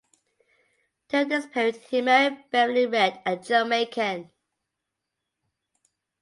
During this period he married Beverley Reid, a Jamaican.